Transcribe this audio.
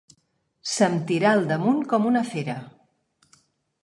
Se'm tirà al damunt com una fera.